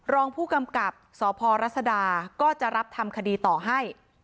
รองผู้กำกับสพรัศดาก็จะรับทำคดีต่อให้